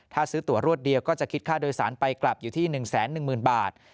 ถ้าซื้อตัวรวดเดียวก็จะคิดค่าโดยสารไปกลับอยู่ที่๑๑๐๐๐บาท